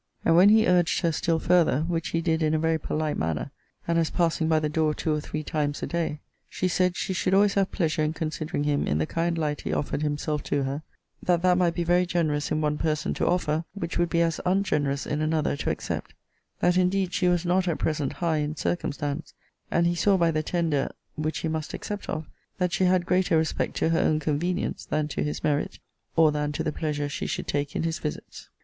And when he urged her still further, which he did in a very polite manner, and as passing by the door two or three times a day, she said she should always have pleasure in considering him in the kind light he offered himself to her: that that might be very generous in one person to offer, which would be as ungenerous in another to accept: that indeed she was not at present high in circumstance; and he saw by the tender, (which he must accept of,) that she had greater respect to her own convenience than to his merit, or than to the pleasure she should take in his visits.